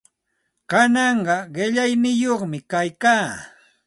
Kananqa qillayniyuqmi kaykaa.